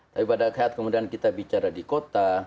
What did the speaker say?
tapi pada saat kemudian kita bicara di kota